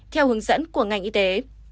theo hướng dẫn của ngành y tế